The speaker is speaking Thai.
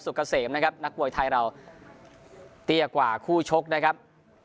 กะเสมนะครับนักมวยไทยเราเตี้ยกว่าคู่ชกนะครับ